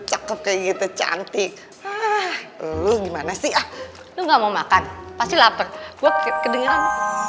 cakep kayak gitu cantik lu gimana sih ah lu nggak mau makan pasti lapar gue kedengeran